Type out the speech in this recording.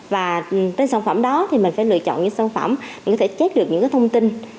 và tên sản phẩm đó thì mình phải lựa chọn những sản phẩm mình có thể check được những thông tin